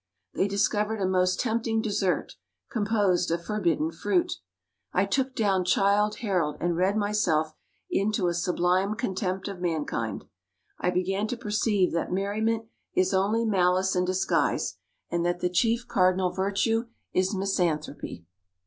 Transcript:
They discovered a most tempting dessert, composed of forbidden fruit. I took down "Childe Harold," and read myself into a sublime contempt of mankind. I began to perceive that merriment is only malice in disguise, and that the chief cardinal virtue is misanthropy.